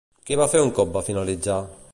Què va fer un cop va finalitzar?